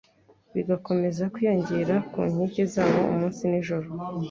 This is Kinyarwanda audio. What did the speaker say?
bigakomeza kwiyongera ku nkike zawo umunsi n’ijoro